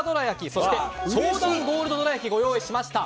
そして、湘南ゴールドどら焼きご用意しました。